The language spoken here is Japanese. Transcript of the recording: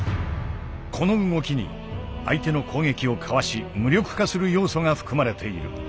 この動きに相手の攻撃をかわし無力化する要素が含まれている。